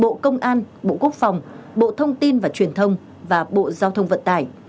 thông an bộ quốc phòng bộ thông tin và truyền thông và bộ giao thông vận tải